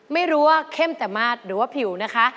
ไม่รู้ว่าเข้มแต่มาดหรือว่าผิวนะคะ